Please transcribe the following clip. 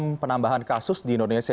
ini adalah penambahan kasus di indonesia